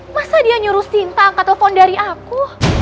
masa dia nyuruh sinta angkat telepon dari aku